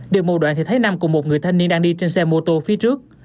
điều mù đoạn thì thấy nam cùng một người thanh niên đang đi trên xe mô tô phía trước